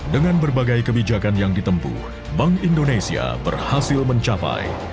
dengan berbagai kebijakan yang ditempuh bank indonesia berhasil mencapai